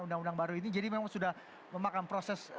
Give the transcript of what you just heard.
undang undang baru ini jadi memang sudah memakan proses